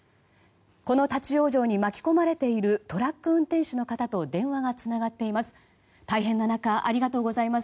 この立ち往生に巻き込まれているトラック運転手の方と電話がつながっています。